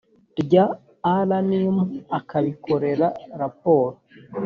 rya rnmu akabikorera raporo